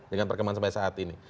dengan perkembangan sampai saat ini